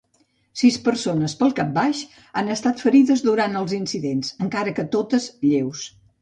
Sis persones, pel capbaix, han estat ferides durant els incidents, encara que totes lleus.